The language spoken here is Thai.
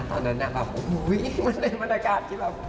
ตอนนั้นมันเป็นบรรยากาศที่แบบ